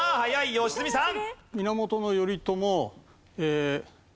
良純さん！